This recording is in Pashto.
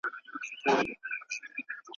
مسلکي کارګران په خپلو چارو کي ډېر تکړه دي.